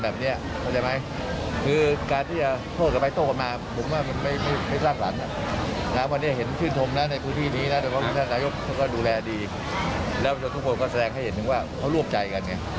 แล้วสิ่งที่บ้านที่เห็นเขายังมีรอยยิ้มให้นายก